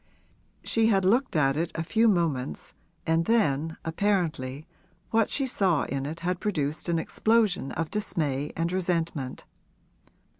She had looked at it a few moments and then apparently what she saw in it had produced an explosion of dismay and resentment.